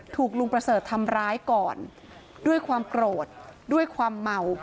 ถูกลุงประเสริฐทำร้ายก่อนด้วยความโกรธด้วยความเมา